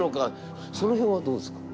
その辺はどうですか？